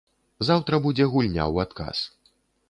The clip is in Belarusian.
Заўтра будзе гульня ў адказ.